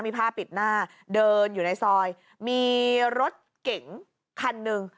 มีผ้าปิดหน้าเดินอยู่ในซอยมีรถเก๋งคันหนึ่ง